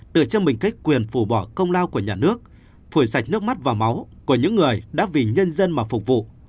từ trong mình cách quyền phủ bỏ công lao của nhà nước phủi sạch nước mắt và máu của những người đã vì nhân dân mà phục vụ